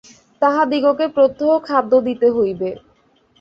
তাহাদিগকে প্রত্যহ খাদ্য দিতে হইবে।